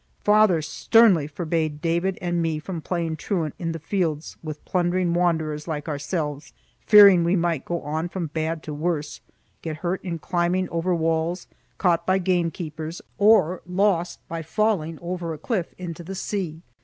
Father sternly forbade David and me from playing truant in the fields with plundering wanderers like ourselves, fearing we might go on from bad to worse, get hurt in climbing over walls, caught by gamekeepers, or lost by falling over a cliff into the sea.